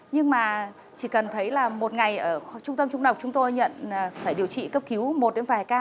nhưng mà chỉ cần thấy là một ngày ở trung tâm trung độc chúng tôi nhận phải điều trị cấp cứu một đến vài ca